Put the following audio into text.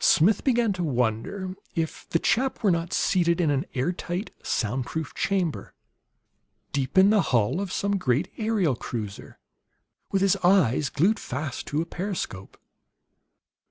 Smith began to wonder if the chap were not seated in an air tight, sound proof chamber, deep in the hull of some great aerial cruiser, with his eyes glued fast to a periscope.